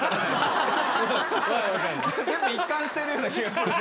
全部一貫してるような気がするけど。